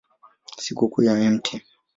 Sikukuu ya Mt.